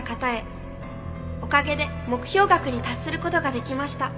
「おかげで目標額に達することができました」